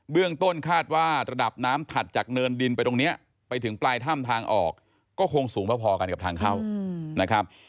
เรื่องต้นคาดว่าระดับน้ำถัดจากเนินดินไปตรงนี้ไปถึงปลายถ้ำทางออกก็คงสูงพอกันกับทางเข้านะครับ